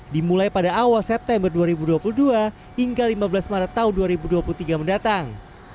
dimulai pada awal september dua ribu dua puluh dua hingga lima belas maret tahun dua ribu dua puluh tiga mendatang